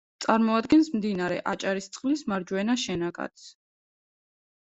წარმოადგენს მდინარე აჭარისწყლის მარჯვენა შენაკადს.